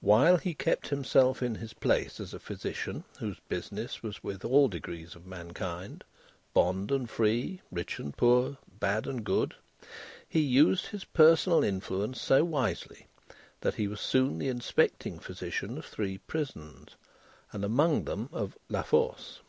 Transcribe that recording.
While he kept himself in his place, as a physician, whose business was with all degrees of mankind, bond and free, rich and poor, bad and good, he used his personal influence so wisely, that he was soon the inspecting physician of three prisons, and among them of La Force.